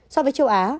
so với châu á